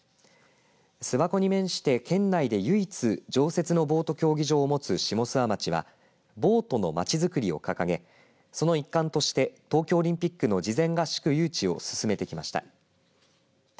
諏訪湖に面して、県内で唯一常設のボート競技場を持つ下諏訪町はボートのまちづくりを掲げその一環として東京オリンピックの事前合宿誘致を進めてきました。